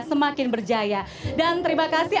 semakin berjaya dan terima kasih